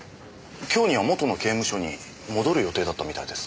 今日には元の刑務所に戻る予定だったみたいです。